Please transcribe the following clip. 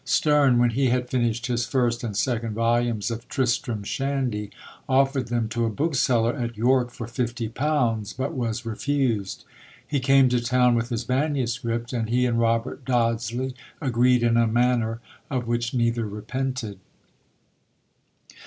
Sterne, when he had finished his first and second volumes of Tristram Shandy, offered them to a bookseller at York for fifty pounds; but was refused: he came to town with his MSS.; and he and Robert Dodsley agreed in a manner of which neither repented.